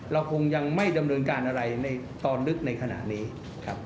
เราคงยังไม่ดำเนินการอะไรในตอนลึกในขณะนี้ครับ